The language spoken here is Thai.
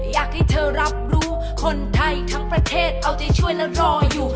อยากให้เธอรับรู้คนไทยทั้งประเทศเอาใจช่วยและรออยู่